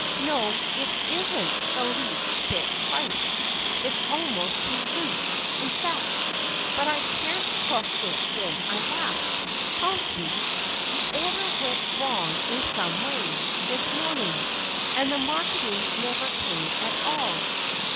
No, it isn't the least bit tight, it's almost too loose, in fact—but I can't hook it when I laugh. Chauncey, the order went wrong in some way, this morning, and the marketing never came at all.